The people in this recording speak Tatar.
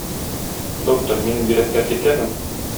Доктор, минем йөрәк тәртиптәме?